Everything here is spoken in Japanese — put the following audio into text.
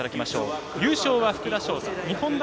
優勝は福田翔大。